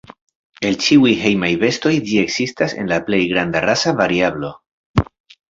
El ĉiuj hejmaj bestoj ĝi ekzistas en la plej granda rasa variablo.